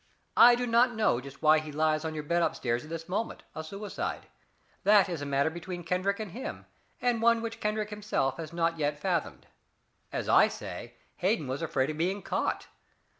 I do not know just why he lies on your bed up stairs at this moment, a suicide that is a matter between Kendrick and him, and one which Kendrick himself has not yet fathomed. As I say, Hayden was afraid of being caught.